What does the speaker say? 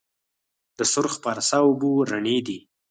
د سرخ پارسا اوبه رڼې دي